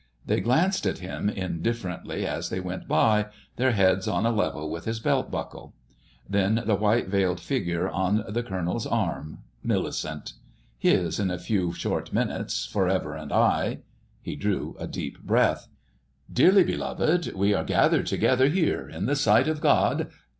They glanced at him indifferently as they went by, their heads on a level with his belt buckle.... Then the white veiled figure on the Colonel's arm—Millicent: his, in a few short minutes, for ever and aye.... He drew a deep breath. "_Dearly beloved, we are gathered together here in the sight of God....